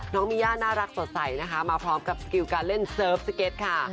น้องมีย่าน่ารักสดใสนะคะมาพร้อมกับสกิลการเล่นเซิร์ฟสเก็ตค่ะ